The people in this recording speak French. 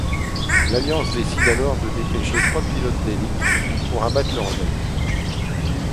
L’Alliance décide alors de dépêcher trois pilotes d’élite pour abattre le rebelle.